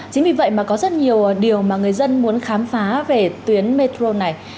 chính vì vậy mà có rất nhiều điều mà người dân muốn khám phá về tuyến metro này